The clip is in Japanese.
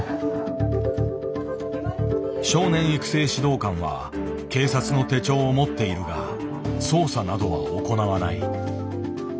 少年育成指導官は警察の手帳を持っているが捜査などは行わない。